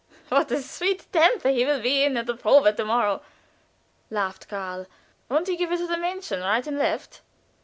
"What a sweet temper he will be in at the probe to morrow!" laughed Karl. "Won't he give it to the Mädchen right and left!"